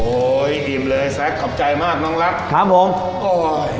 อิ่มเลยแซคขอบใจมากน้องรักครับผมโอ้ย